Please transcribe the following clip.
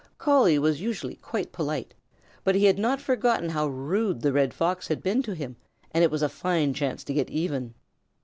Collie was usually quite polite, but he had not forgotten how rude the Red Fox had been to him, and it was a fine chance to get even.